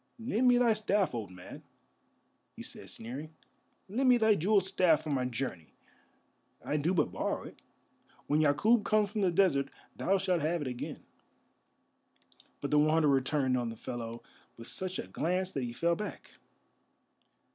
"Lend me thy staff, old man," he said, sneering; "lend me thy jewelled staff for my journey. I do but borrow it; when Yakûb comes from the desert thou shalt have it again." But the Wanderer turned on the fellow with such a glance that he fell back.